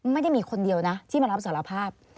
ไม่ได้มีคนเดียวนะที่มารับสารภาพ